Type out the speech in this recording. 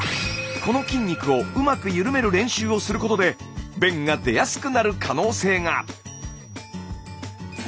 この筋肉をうまく緩める練習をすることで便が出やすくなる可能性が。